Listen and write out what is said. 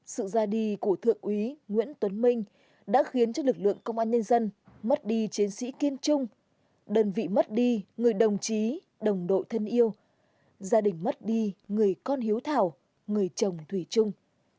sự ra đi của thượng úy nguyễn tuấn minh đã khiến cho lực lượng công an nhân dân mất đi chiến sĩ kiên trung đơn vị mất đi người đồng chí đồng đội thân yêu gia đình mất đi người con hiếu thảo người chồng thủy chung